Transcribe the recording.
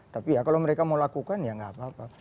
tapi ya kalau mereka mau lakukan ya nggak apa apa